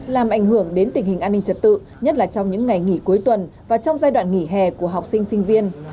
làm ảnh hưởng đến tình hình an ninh trật tự nhất là trong những ngày nghỉ cuối tuần và trong giai đoạn nghỉ hè của học sinh sinh viên